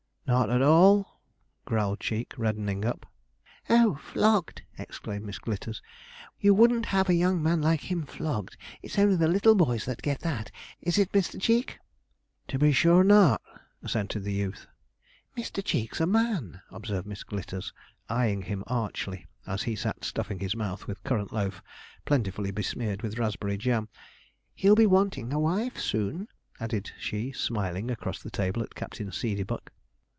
'Not at all,' growled Cheek, reddening up. 'Oh, flogged!' exclaimed Miss Glitters. 'You wouldn't have a young man like him flogged; it's only the little boys that get that is it, Mister Cheek?' 'To be sure not,' assented the youth. 'Mister Cheek's a man,' observed Miss Glitters, eyeing him archly, as he sat stuffing his mouth with currant loaf plentifully besmeared with raspberry jam. 'He'll be wanting a wife soon,' added she, smiling across the table at Captain Seedeybuck.